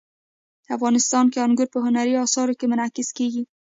افغانستان کې انګور په هنري اثارو کې منعکس کېږي.